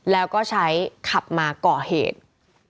แล้วก็ใช้ขับมาก่อเหตุ